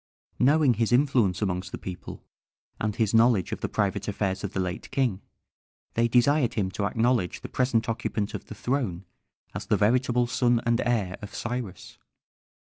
Knowing his influence amongst the people, and his knowledge of the private affairs of the late king, they desired him to acknowledge the present occupant of the throne as the veritable son and heir of Cyrus.